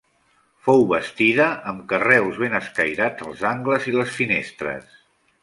Fou bastida amb carreus ben escairats als angles i les finestres.